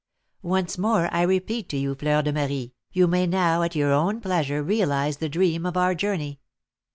Once more I repeat to you, Fleur de Marie, you may now at your own pleasure realise the dream of our journey.